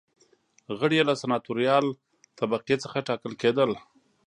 غړي یې له سناتوریال طبقې څخه ټاکل کېدل.